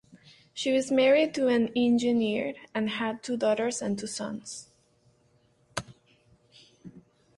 She was married to an engineer and had two daughters and two sons.